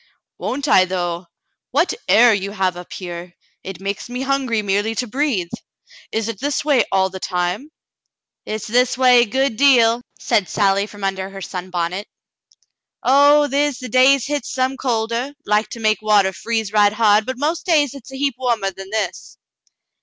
"Won't I, though! What air you have up here! It makes me hungry merely to breathe. Is it this way all the time ^" "Hit's this a way a good deal," said Sally, from under her sunbonnet. "Oh, the' is days hit's some colder, like to make water freeze right hard, but most days hit's a heap warmer than this."